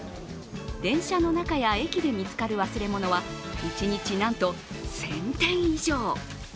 電車の中や駅で見つかる忘れ物は一日なんと１０００点以上。